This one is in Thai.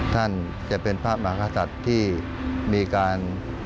ท่านจะเป็นพระมหากษัตริย์ที่มีการ